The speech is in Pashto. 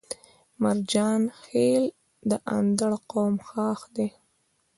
مرجان خيل د اندړ قوم خاښ دی